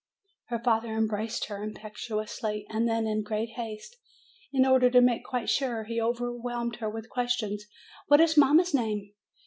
Her father embraced her impetuously, and then in great haste, in order to make quite sure, he over whelmed her with questions. "What is mamma's name?"